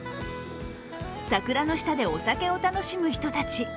桜の下でお酒を楽しむ人たち。